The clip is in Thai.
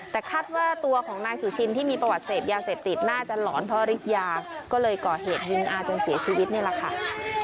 แต่คาดว่าตัวของนายสุชินที่มีประวัติเสพยาเสพติดน่าจะหลอนเพราะฤทธิยาก็เลยก่อเหตุยิงอาจนเสียชีวิตนี่แหละค่ะ